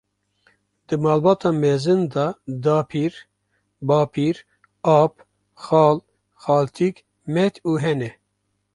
Di malbata mezin de dapîr, babîr, ap, xal, xaltîk, met û hene.